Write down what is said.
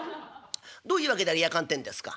「どういう訳であれやかんってんですか？」。